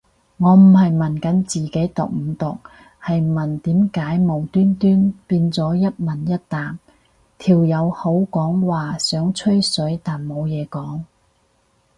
我唔係問緊自己毒唔毒，係問點解無端端變咗一問一答，條友口講話想吹水但冇嘢講